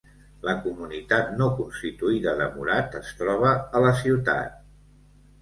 La comunitat no constituïda de Murat es troba a la ciutat.